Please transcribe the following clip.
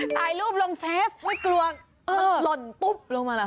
ถ่ายรูปลงเฟสไม่กลัวมันหล่นตุ๊บลงมาเหรอ